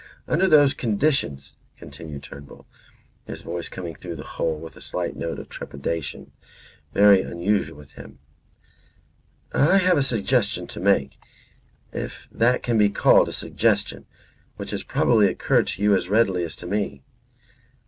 "Under those conditions," continued Turnbull, his voice coming through the hole with a slight note of trepidation very unusual with him, "I have a suggestion to make, if that can be called a suggestion, which has probably occurred to you as readily as to me.